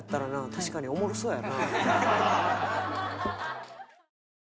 確かにおもろそうやな。